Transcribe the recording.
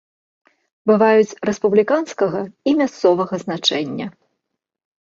Бываюць рэспубліканскага і мясцовага значэння.